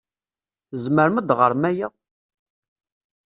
Tzemrem ad ɣṛem aya?